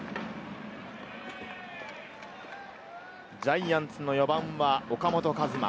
ジャイアンツの４番は岡本和真。